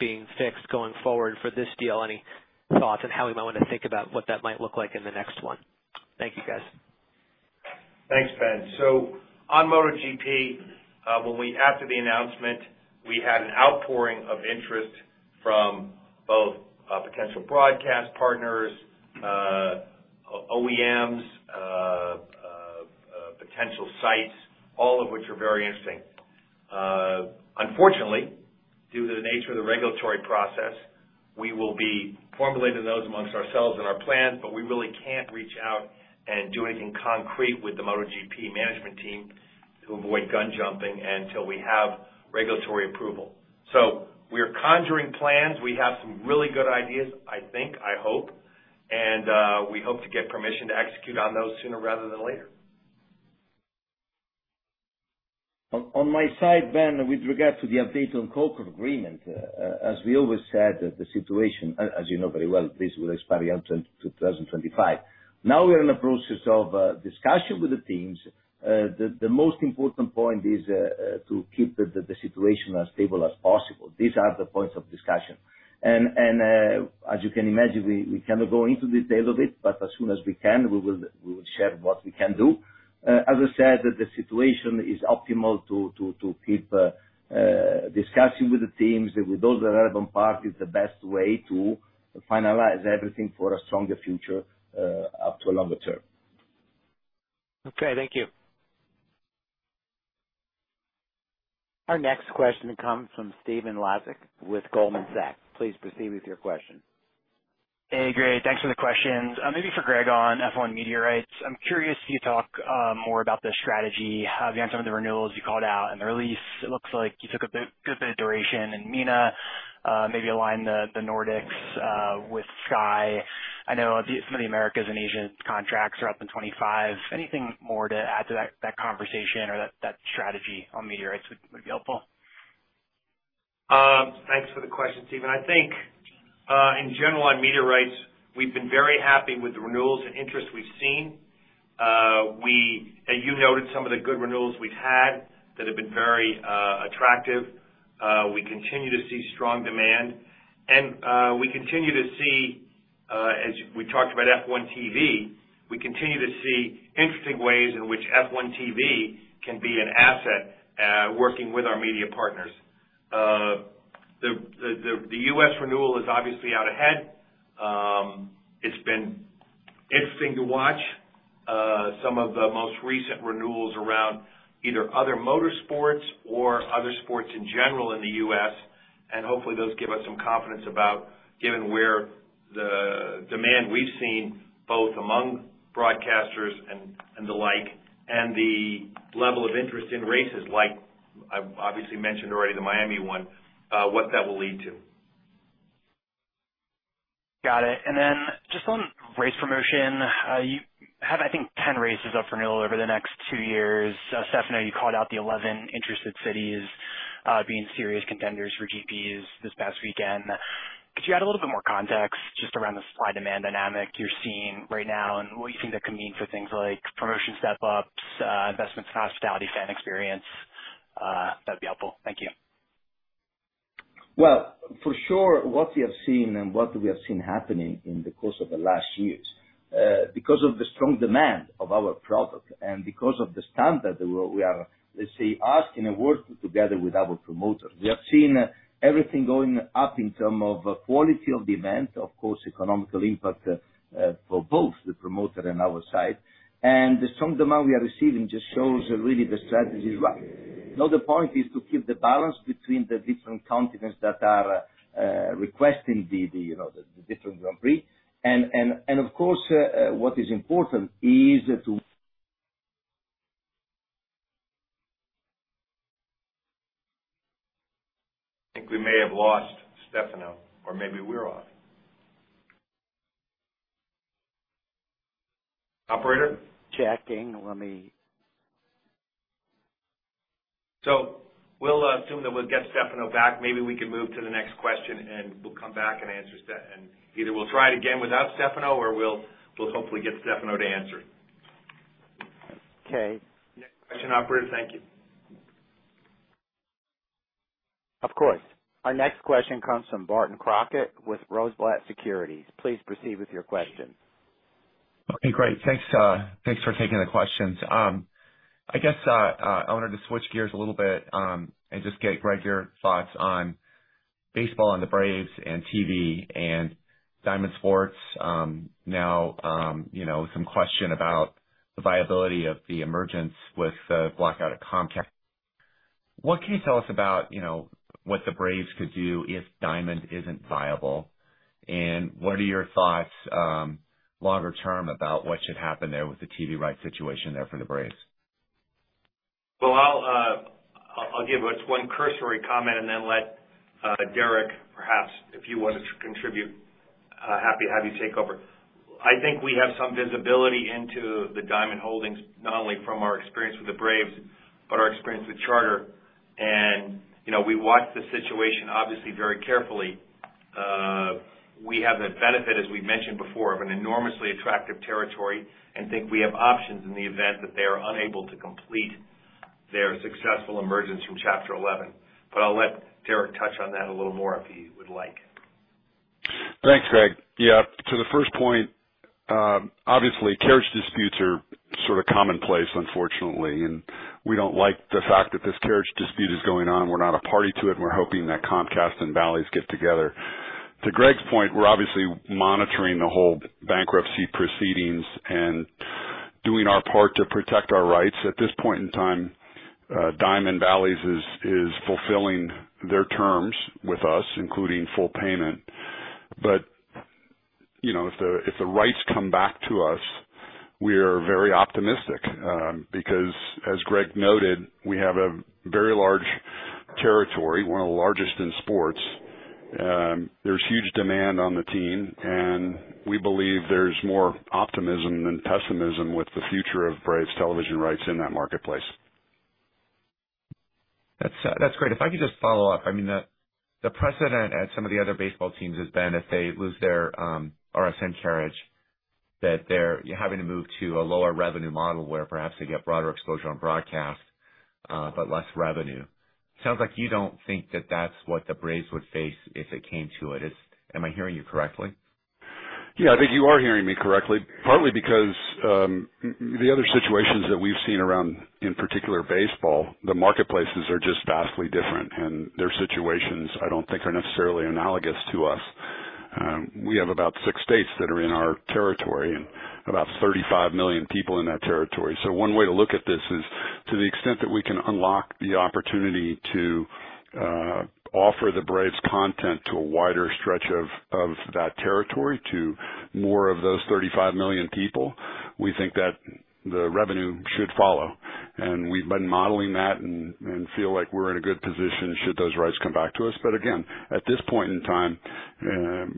being fixed going forward for this deal. Any thoughts on how we might want to think about what that might look like in the next one? Thank you, guys. Thanks, Ben. So on MotoGP, after the announcement, we had an outpouring of interest from both potential broadcast partners, OEMs, potential sites, all of which are very interesting. Unfortunately, due to the nature of the regulatory process, we will be formulating those amongst ourselves in our plans, but we really can't reach out and do anything concrete with the MotoGP management team to avoid gun-jumping until we have regulatory approval. So we are conjuring plans. We have some really good ideas, I think, I hope. And we hope to get permission to execute on those sooner rather than later. On my side, Ben, with regard to the update on the Concorde Agreement, as we always said, the situation, as you know very well, this will expire in 2025. Now we're in the process of discussion with the teams. The most important point is to keep the situation as stable as possible. These are the points of discussion. And as you can imagine, we cannot go into detail of it, but as soon as we can, we will share what we can do. As I said, the situation is optimal to keep discussing with the teams. With all the relevant parties, the best way to finalize everything for a stronger future up to a longer term. Okay. Thank you. Our next question comes from Stephen Laszczyk with Goldman Sachs. Please proceed with your question. Hey, Greg. Thanks for the questions. Maybe for Greg on F1 media rights, I'm curious if you could talk more about the strategy beyond some of the renewals you called out and the release. It looks like you took a good bit of duration in Miami, maybe align the Nordics with Sky. I know some of the Americas and Asian contracts are up in 2025. Anything more to add to that conversation or that strategy on media rights would be helpful? Thanks for the question, Steven. I think in general, on media rights, we've been very happy with the renewals and interest we've seen. You noted some of the good renewals we've had that have been very attractive. We continue to see strong demand. And we continue to see, as we talked about F1 TV, we continue to see interesting ways in which F1 TV can be an asset working with our media partners. The US renewal is obviously out ahead. It's been interesting to watch some of the most recent renewals around either other motorsports or other sports in general in the US. And hopefully, those give us some confidence about given where the demand we've seen both among broadcasters and the like and the level of interest in races, like I've obviously mentioned already, the Miami one, what that will lead to. Got it. And then just on race promotion, you have, I think, 10 races up for renewal over the next two years. Stefano, you called out the 11 interested cities being serious contenders for GPs this past weekend. Could you add a little bit more context just around the supply-demand dynamic you're seeing right now and what you think that could mean for things like promotion step-ups, investments in hospitality, fan experience? That would be helpful. Thank you. Well, for sure, what we have seen and what we have seen happening in the course of the last years, because of the strong demand of our product and because of the standard that we are, let's say, asking and working together with our promoters, we have seen everything going up in terms of quality of the event, of course, economic impact for both the promoter and our side. And the strong demand we are receiving just shows really the strategy is right. Now, the point is to keep the balance between the different continents that are requesting the different Grand Prix. And of course, what is important is to. I think we may have lost Stefano, or maybe we're off. Operator? Checking. Let me. We'll assume that we'll get Stefano back. Maybe we can move to the next question, and we'll come back and answer that. Either we'll try it again without Stefano, or we'll hopefully get Stefano to answer. Okay. Next question, operator. Thank you. Of course. Our next question comes from Barton Crockett with Rosenblatt Securities. Please proceed with your question. Okay. Great. Thanks for taking the questions. I guess I wanted to switch gears a little bit and just get, Greg, your thoughts on baseball and the Braves and TV and Diamond Sports. Now, a question about the viability of the arrangement with the blackout at Comcast. What can you tell us about what the Braves could do if Diamond isn't viable? And what are your thoughts longer term about what should happen there with the TV rights situation there for the Braves? Well, I'll give just one cursory comment and then let Derek, perhaps if you want to contribute, happy to have you take over. I think we have some visibility into the Diamond Sports Group, not only from our experience with the Braves, but our experience with Charter. We watch the situation, obviously, very carefully. We have the benefit, as we mentioned before, of an enormously attractive territory and think we have options in the event that they are unable to complete their successful emergence from Chapter 11. I'll let Derek touch on that a little more if he would like. Thanks, Greg. Yeah. To the first point, obviously, carriage disputes are sort of commonplace, unfortunately. And we don't like the fact that this carriage dispute is going on. We're not a party to it, and we're hoping that Comcast and Bally's get together. To Greg's point, we're obviously monitoring the whole bankruptcy proceedings and doing our part to protect our rights. At this point in time, Diamond, Bally's is fulfilling their terms with us, including full payment. But if the rights come back to us, we are very optimistic because, as Greg noted, we have a very large territory, one of the largest in sports. There's huge demand on the team, and we believe there's more optimism than pessimism with the future of Braves television rights in that marketplace. That's great. If I could just follow up, I mean, the precedent at some of the other baseball teams has been, if they lose their RSN carriage, that they're having to move to a lower revenue model where perhaps they get broader exposure on broadcast but less revenue. Sounds like you don't think that that's what the Braves would face if it came to it. Am I hearing you correctly? Yeah. I think you are hearing me correctly, partly because the other situations that we've seen around, in particular, baseball, the marketplaces are just vastly different, and their situations, I don't think, are necessarily analogous to us. We have about six states that are in our territory and about 35 million people in that territory. So one way to look at this is, to the extent that we can unlock the opportunity to offer the Braves content to a wider stretch of that territory, to more of those 35 million people, we think that the revenue should follow. And we've been modeling that and feel like we're in a good position should those rights come back to us. But again, at this point in time,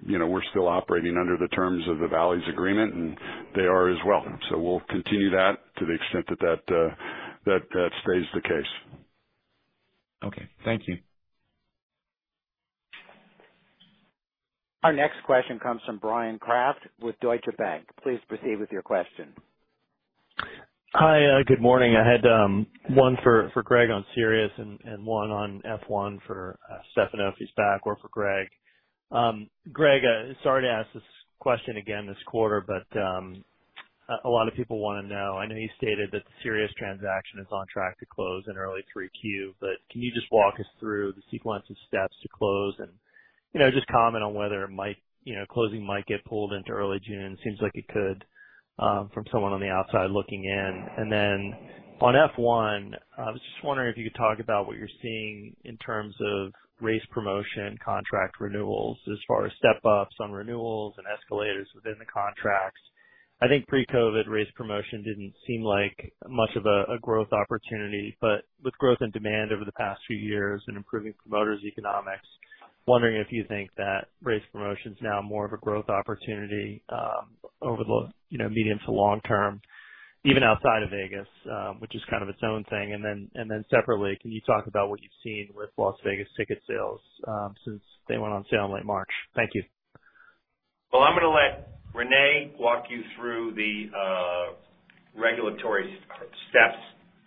we're still operating under the terms of the Bally's agreement, and they are as well. So we'll continue that to the extent that that stays the case. Okay. Thank you. Our next question comes from Brian Kraft with Deutsche Bank. Please proceed with your question. Hi. Good morning. I had one for Greg on Sirius and one on F1 for Stefano if he's back or for Greg. Greg, sorry to ask this question again this quarter, but a lot of people want to know. I know you stated that the Sirius transaction is on track to close in early 3Q, but can you just walk us through the sequence of steps to close and just comment on whether closing might get pulled into early June? It seems like it could from someone on the outside looking in. And then on F1, I was just wondering if you could talk about what you're seeing in terms of race promotion contract renewals as far as step-ups on renewals and escalators within the contracts. I think pre-COVID, race promotion didn't seem like much of a growth opportunity. But with growth in demand over the past few years and improving promoters' economics, wondering if you think that race promotion's now more of a growth opportunity over the medium to long term, even outside of Vegas, which is kind of its own thing. And then separately, can you talk about what you've seen with Las Vegas ticket sales since they went on sale in late March? Thank you. Well, I'm going to let Renee walk you through the regulatory steps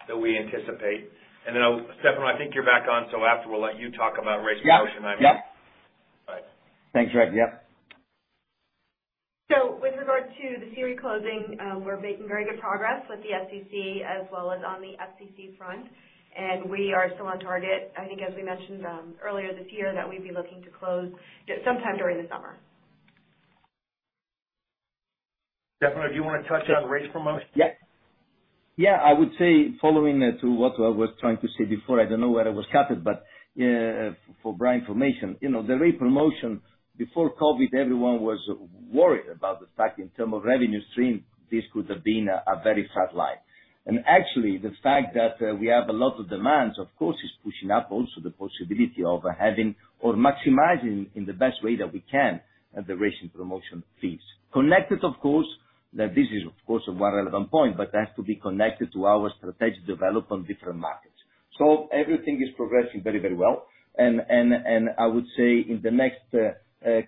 that we anticipate. And then, Stefano, I think you're back on. So after, we'll let you talk about race promotion. Yep. Yep. I mean. All right. Thanks, Greg. Yep. With regard to the Sirius closing, we're making very good progress with the SEC as well as on the SEC front. We are still on target, I think, as we mentioned earlier this year, that we'd be looking to close sometime during the summer. Stefano, do you want to touch on race promotion? Yep. Yeah. I would say, following to what I was trying to say before, I don't know where it was cut it, but for Brian's information, the race promotion before COVID, everyone was worried about the fact in terms of revenue stream, this could have been a very flat line. And actually, the fact that we have a lot of demands, of course, is pushing up also the possibility of having or maximizing in the best way that we can the racing promotion fees. Connected, of course, that this is, of course, a more relevant point, but it has to be connected to our strategic development on different markets. So everything is progressing very, very well. I would say in the next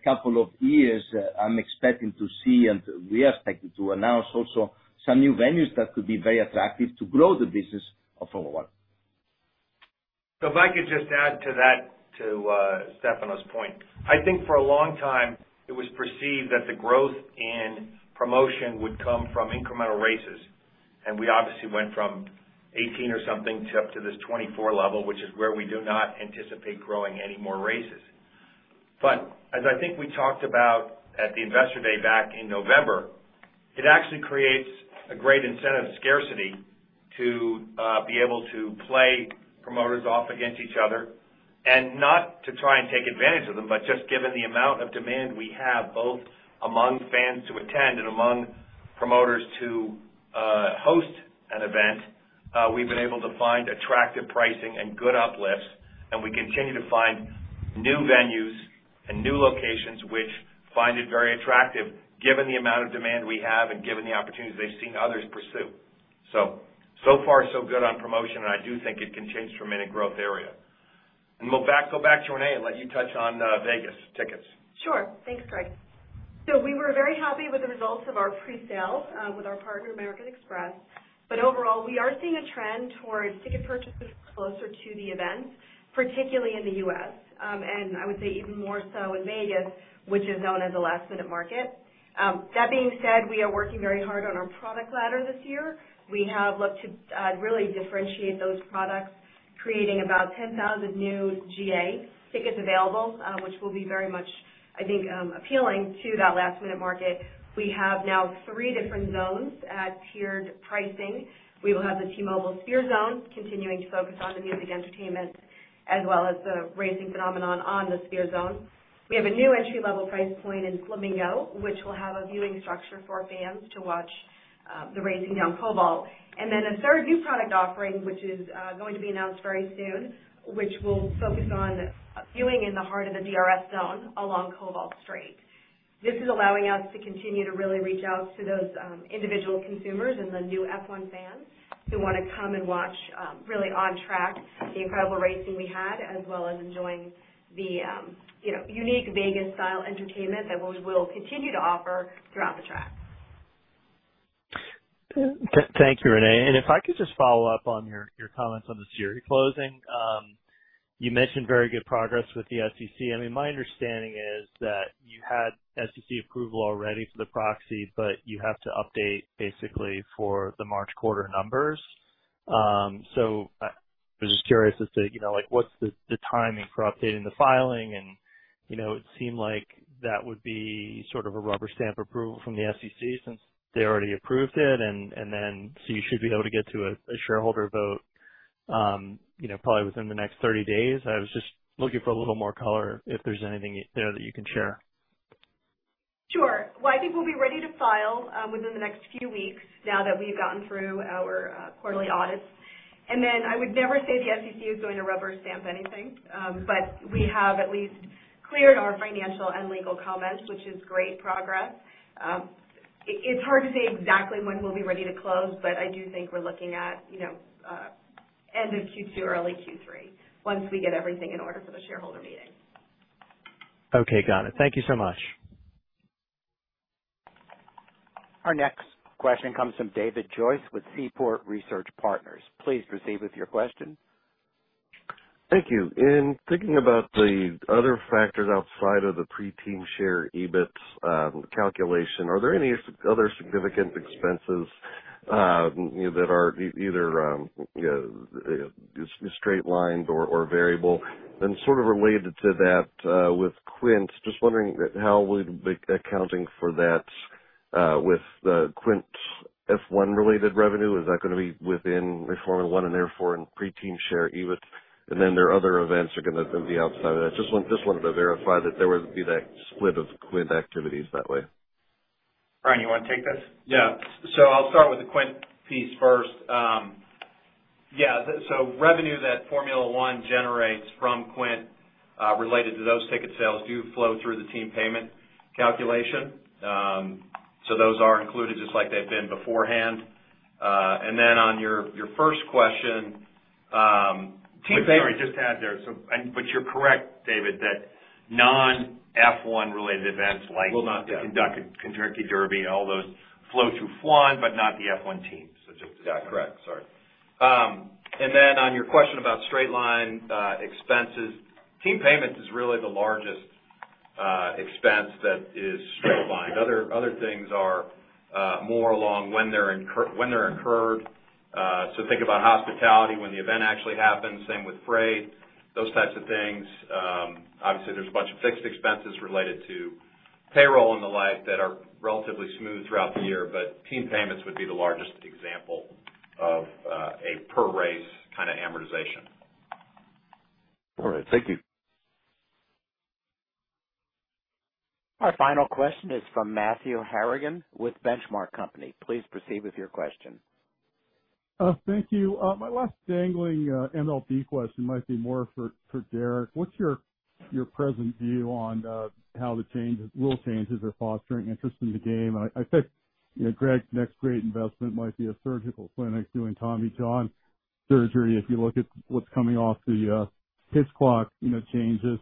couple of years, I'm expecting to see and we are expected to announce also some new venues that could be very attractive to grow the business of Formula One. If I could just add to that, to Stefano's point, I think for a long time, it was perceived that the growth in promotion would come from incremental races. We obviously went from 18 or something up to this 24 level, which is where we do not anticipate growing any more races. As I think we talked about at the investor day back in November, it actually creates a great incentive of scarcity to be able to play promoters off against each other and not to try and take advantage of them, but just given the amount of demand we have both among fans to attend and among promoters to host an event, we've been able to find attractive pricing and good uplifts. We continue to find new venues and new locations, which find it very attractive given the amount of demand we have and given the opportunities they've seen others pursue. So far, so good on promotion, and I do think it can change from any growth area. We'll go back to Renee and let you touch on Vegas tickets. Sure. Thanks, Greg. So we were very happy with the results of our presale with our partner, American Express. But overall, we are seeing a trend towards ticket purchases closer to the events, particularly in the U.S., and I would say even more so in Vegas, which is known as a last-minute market. That being said, we are working very hard on our product ladder this year. We have looked to really differentiate those products, creating about 10,000 new GA tickets available, which will be very much, I think, appealing to that last-minute market. We have now three different zones at tiered pricing. We will have the T-Mobile Sphere Zone continuing to focus on the music entertainment as well as the racing phenomenon on the Sphere Zone. We have a new entry-level price point in Flamingo, which will have a viewing structure for fans to watch the racing down Koval. And then a third new product offering, which is going to be announced very soon, which will focus on viewing in the heart of the DRS Zone along Koval Straight. This is allowing us to continue to really reach out to those individual consumers and the new F1 fans who want to come and watch really on track the incredible racing we had as well as enjoying the unique Vegas-style entertainment that we will continue to offer throughout the track. Thank you, Renee. And if I could just follow up on your comments on the Sirius closing, you mentioned very good progress with the SEC. I mean, my understanding is that you had SEC approval already for the proxy, but you have to update, basically, for the March quarter numbers. So I was just curious as to what's the timing for updating the filing. It seemed like that would be sort of a rubber stamp approval from the SEC since they already approved it. Then so you should be able to get to a shareholder vote probably within the next 30 days. I was just looking for a little more color if there's anything there that you can share. Sure. Well, I think we'll be ready to file within the next few weeks now that we've gotten through our quarterly audits. Then I would never say the SEC is going to rubber stamp anything, but we have at least cleared our financial and legal comments, which is great progress. It's hard to say exactly when we'll be ready to close, but I do think we're looking at end of Q2, early Q3 once we get everything in order for the shareholder meeting. Okay. Got it. Thank you so much. Our next question comes from David Joyce with Seaport Research Partners. Please proceed with your question. Thank you. In thinking about the other factors outside of the Pre-team share EBIT calculation, are there any other significant expenses that are either straight-lined or variable? And sort of related to that with Quint, just wondering how we'd be accounting for that with the Quint F1-related revenue. Is that going to be within Formula One and therefore in Pre-team share EBIT? And then there are other events that are going to be outside of that. Just wanted to verify that there would be that split of Quint activities that way. Brian, you want to take this? Yeah. So I'll start with the Quint piece first. Yeah. So revenue that Formula One generates from Quint related to those ticket sales do flow through the team payment calculation. So those are included just like they've been beforehand. And then on your first question, team. Sorry. Just add there. But you're correct, David, that non-F1-related events like the Kentucky Derby and all those flow through F1 but not the F1 team. So just. Yeah. Correct. Sorry. And then on your question about straight-line expenses, team payments is really the largest expense that is straight-lined. Other things are more along when they're incurred. So think about hospitality when the event actually happens, same with freight, those types of things. Obviously, there's a bunch of fixed expenses related to payroll and the like that are relatively smooth throughout the year. But team payments would be the largest example of a per-race kind of amortization. All right. Thank you. Our final question is from Matthew Harrigan with The Benchmark Company. Please proceed with your question. Thank you. My last dangling MLB question might be more for Derek. What's your present view on how the rule changes are fostering interest in the game? And I think Greg's next great investment might be a surgical clinic doing Tommy John surgery if you look at what's coming off the pitch clock changes.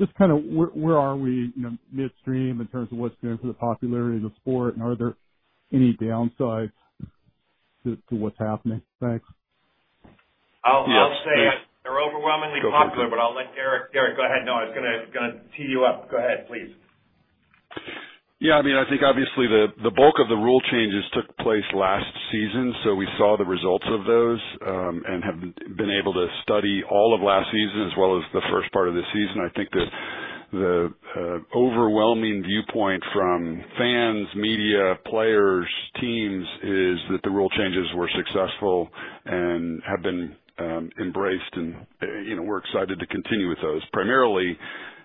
Just kind of where are we midstream in terms of what's going for the popularity of the sport? And are there any downsides to what's happening? Thanks. I'll say they're overwhelmingly popular, but I'll let Derek go ahead. No, I was going to tee you up. Go ahead, please. Yeah. I mean, I think obviously, the bulk of the rule changes took place last season. So we saw the results of those and have been able to study all of last season as well as the first part of this season. I think the overwhelming viewpoint from fans, media, players, teams is that the rule changes were successful and have been embraced. And we're excited to continue with those, primarily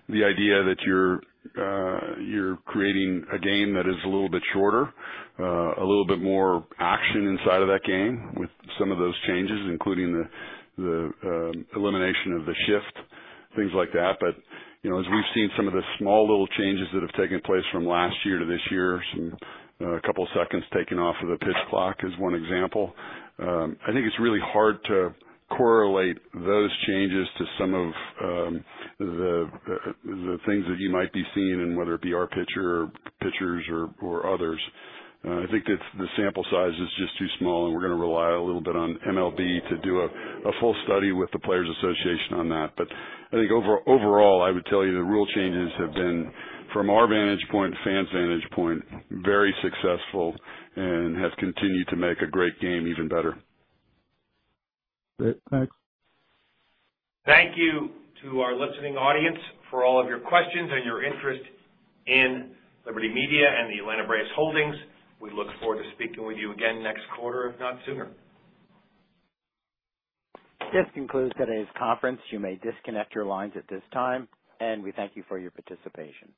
the idea that you're creating a game that is a little bit shorter, a little bit more action inside of that game with some of those changes, including the elimination of the shift, things like that. But as we've seen some of the small little changes that have taken place from last year to this year, a couple of seconds taking off of the pitch clock is one example. I think it's really hard to correlate those changes to some of the things that you might be seeing in whether it be our pitcher or pitchers or others. I think the sample size is just too small, and we're going to rely a little bit on MLB to do a full study with the Players Association on that. But I think overall, I would tell you the rule changes have been, from our vantage point, fans' vantage point, very successful and have continued to make a great game even better. Great. Thanks. Thank you to our listening audience for all of your questions and your interest in Liberty Media and the Atlanta Braves Holdings. We look forward to speaking with you again next quarter, if not sooner. This concludes today's conference. You may disconnect your lines at this time. We thank you for your participation.